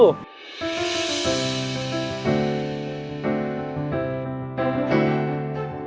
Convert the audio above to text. ya udah yaudah